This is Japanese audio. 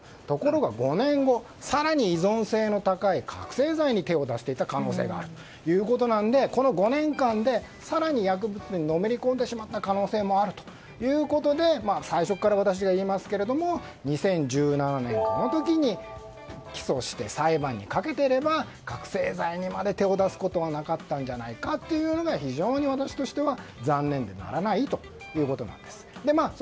ところが５年後更に依存性の高い覚醒剤に手を出していた可能性があるということなのでこの５年間で更に薬物にのめり込んでしまった可能性もあるということで最初から私は言いましたけど２０１７年この時に起訴して裁判にかけていれば覚醒剤にまで手を出すことはなかったんじゃないかというのが非常に私としては残念でならないということです。